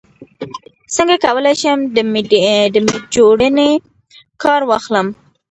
څنګه کولی شم د میډجورني کار واخلم